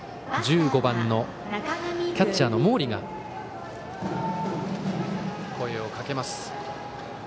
１５番のキャッチャーの毛利が声をかけます。